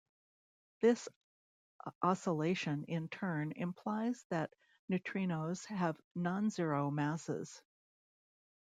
This oscillation in turn implies that neutrinos have non-zero masses.